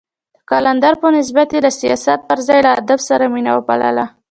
د قلندر په نسبت يې له سياست پر ځای له ادب سره مينه وپالله.